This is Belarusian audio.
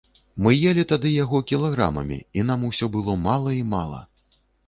Мы елі тады яго кілаграмамі, і нам усё было мала і мала.